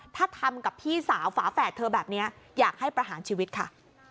ถ้าทำกับพี่สาวฝาแฝดเธอแบบนี้อยากให้ประหารชีวิตค่ะ